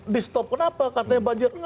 di stop kenapa katanya banjir